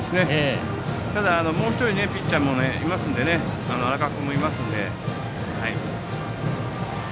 ただ、もう１人ピッチャー荒川君もいますので。